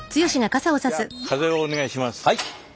じゃあ風をお願いします。